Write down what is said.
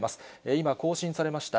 今、更新されました。